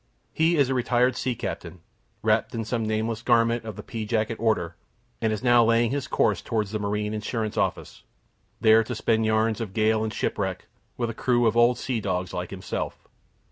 He is a retired sea captain, wrapped in some nameless garment of the pea jacket order, and is now laying his course towards the Marine Insurance Office, there to spin yarns of gale and shipwreck, with a crew of old seadogs like himself.